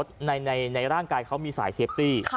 เขาอยากที่บอกว่าในร่างกายเขามีสายเซฟตี้